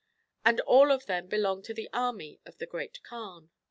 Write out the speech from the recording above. And all of them belong to the army of the Great Kaan."